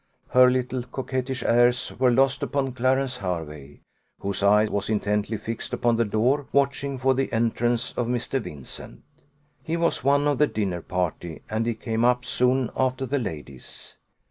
Her little coquettish airs were lost upon Clarence Hervey, whose eye was intently fixed upon the door, watching for the entrance of Mr. Vincent. He was one of the dinner party, and he came up soon after the ladies.